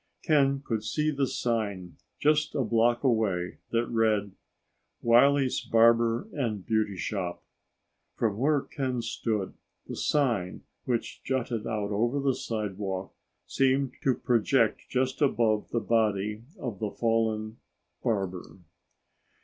Ken could see the sign, just a block away, that read, "Wiley's Barber and Beauty Shop." From where Ken stood, the sign, which jutted out over the sidewalk, seemed to project just above the body of the fallen barber.